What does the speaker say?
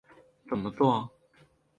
怎么作？